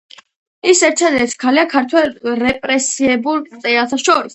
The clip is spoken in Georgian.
ის ერთადერთი ქალია ქართველ რეპრესირებულ მწერალთა შორის.